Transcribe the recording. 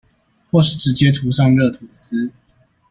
或是直接塗上熱吐司